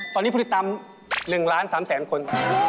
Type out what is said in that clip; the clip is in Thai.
ตอนนี้ผู้ติดตาม๑ล้าน๓แสนคน